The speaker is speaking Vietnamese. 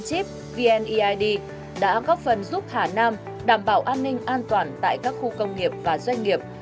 chip vneid đã góp phần giúp hà nam đảm bảo an ninh an toàn tại các khu công nghiệp và doanh nghiệp